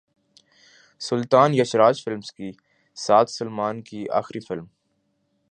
سلطان Yash Raj films کے ساتھ سلمان کی اخری فلم